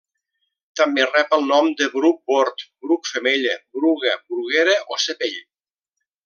També rep el nom de bruc bord, bruc femella, bruga, bruguera o cepell.